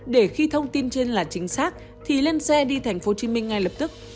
để khi thông tin trên là chính xác thì lên xe đi tp hcm ngay lập tức